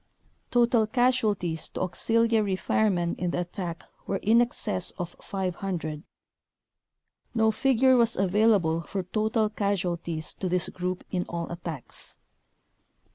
Total casualties to auxil iary firemen in the attack were in excess of 500. No figure was available for total casualties to this group in all attacks.